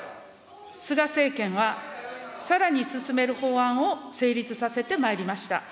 菅政権はさらに進める法案を成立させてまいりました。